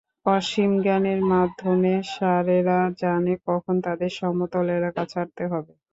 অসীম জ্ঞানের মাধ্যমে, ষাঁড়েরা জানে কখন তাদের সমতল এলাকা ছাড়তে হবে।